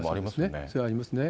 それもありますね。